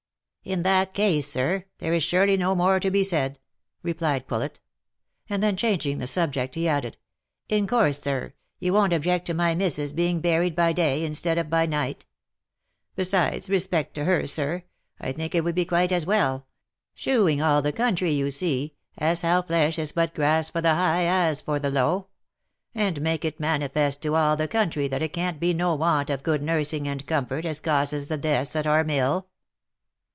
'* In that case, sir, there is surely no more to be said," replied Poulet ; and then changing the subject, he added, " In course, sir. you won't object to my missis being buried by day, instead of by night ? Besides respect to her, sir, I think it would be quite as well, shewing all the country, you see, as how flesh is but grass for the high, as for the low, and making it manifest to all the country that it can't be no want of good nursing and comfort as causes the deaths at our mill."